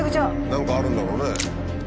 何かあるんだろうね。